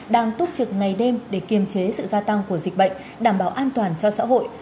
đang túc trực ngày đêm để kiềm chế sự gia tăng của dịch bệnh đảm bảo an toàn cho xã hội